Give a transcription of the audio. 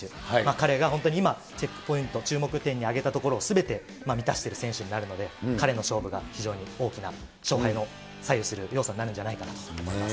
彼が本当に今、チェックポイント、注目点に挙げたところをすべて満たしている選手になるので、彼の勝負が非常に大きな勝敗を左右する要素になるんじゃないかな